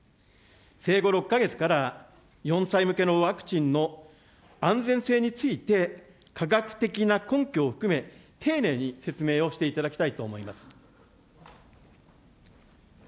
生後６か月から４歳向けのワクチンの安全性について、科学的な根拠を含め、丁寧に説明をしていただきたいと思います。